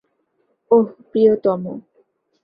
ওহ, প্রিয়তম।